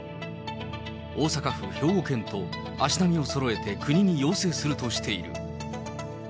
大阪府、兵庫県と足並みをそろえて国に要請するとしている。